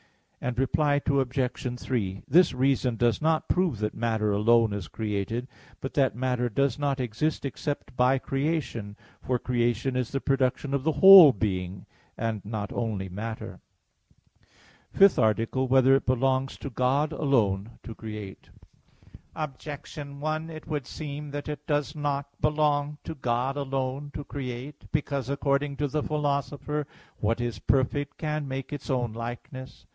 Reply Obj. 3: This reason does not prove that matter alone is created, but that matter does not exist except by creation; for creation is the production of the whole being, and not only matter. _______________________ FIFTH ARTICLE [I, Q. 45, Art. 5] Whether It Belongs to God Alone to Create? Objection 1: It would seem that it does not belong to God alone to create, because, according to the Philosopher (De Anima ii, text 34), what is perfect can make its own likeness.